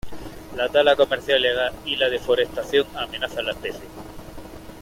La tala comercial ilegal y la deforestación amenazan la especie.